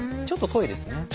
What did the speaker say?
ちょっと遠いですね。